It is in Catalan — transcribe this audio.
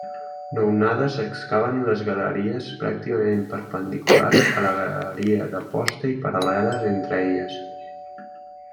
Nounades excaven les galeries pràcticament perpendiculars a la galeria de posta i paral·leles entre elles.